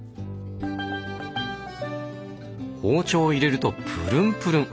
包丁を入れるとプルンプルン！